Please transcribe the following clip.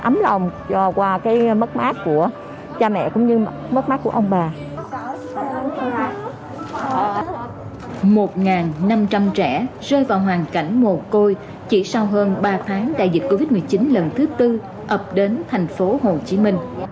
một năm trăm linh trẻ rơi vào hoàn cảnh mồ côi chỉ sau hơn ba tháng đại dịch covid một mươi chín lần thứ tư ập đến thành phố hồ chí minh